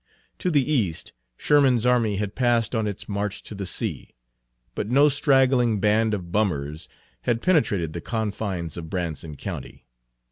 To the east, Sherman's army had passed on its march to the sea; but no straggling band of "bummers" had penetrated the confines of Branson County.